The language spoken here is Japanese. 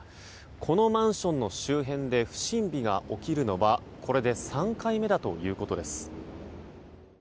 このマンションの周辺で不審火が起きるのはこれで３回目だということです。